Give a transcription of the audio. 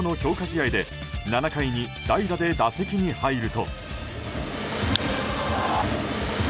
試合で７回に代打で打席に入ると。